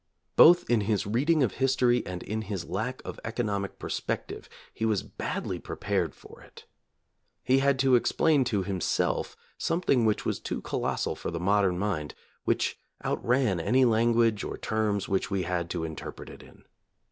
Both in his reading of history and in his lack of economic perspective he was badly prepared for it. He had to explain to himself something which was too colossal for the modern mind, which outran any language or terms which we had to interpret it in.